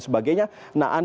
ya sudah ada yang push un